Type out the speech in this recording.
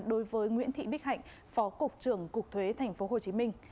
đối với nguyễn thị bích hạnh phó cục trưởng cục thuế tp hcm